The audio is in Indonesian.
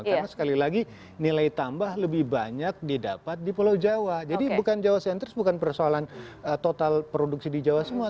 karena sekali lagi nilai tambah lebih banyak didapat di pulau jawa jadi bukan jawa centris bukan persoalan total produksi di jawa semua